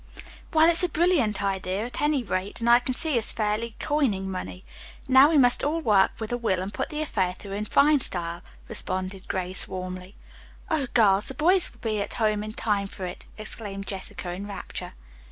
"Well it's a brilliant idea at any rate, and I can see us fairly coining money. Now we must all work with a will and put the affair through in fine style," responded Grace warmly. "Oh, girls, the boys will be at home in time for it!" exclaimed Jessica in rapture.